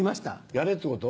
やれってこと？